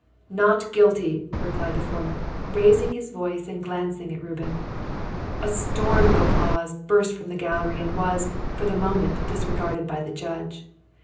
"Not guilty," replied the foreman, raising his voice and glancing at Reuben. A storm of applause burst from the gallery and was, for the moment, disregarded by the judge.